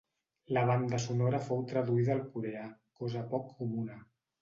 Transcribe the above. La banda sonora fou traduïda al coreà, cosa poc comuna.